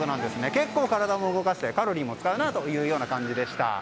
結構体を動かしてカロリーも使うなという感じでした。